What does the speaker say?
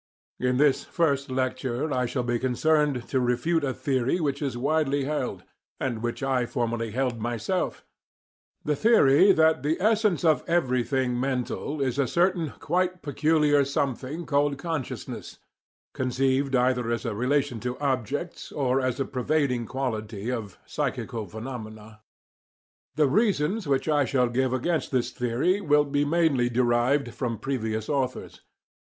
In this first lecture I shall be concerned to refute a theory which is widely held, and which I formerly held myself: the theory that the essence of everything mental is a certain quite peculiar something called "consciousness," conceived either as a relation to objects, or as a pervading quality of psychical phenomena. The reasons which I shall give against this theory will be mainly derived from previous authors.